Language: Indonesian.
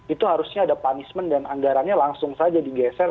itu harusnya ada punishment dan anggarannya langsung saja digeser